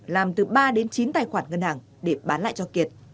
làm từ ba đến chín tài khoản ngân hàng để bán lại cho kiệt